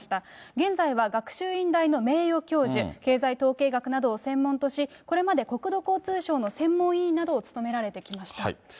現在は学習院大の名誉教授、経済統計学などを専門とし、これまで国土交通省の専門委員などを務められてきました。